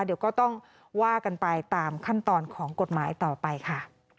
เดี๋ยวก็ต้องว่ากันไปตามขั้นตอนของกฎหมายต่อไปค่ะ